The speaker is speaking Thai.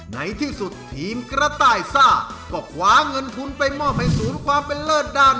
ในที่สุดทีมกระต่ายซ่าก็คว้าเงินทุนไปมอบให้ศูนย์ความเป็นเลิศด้าน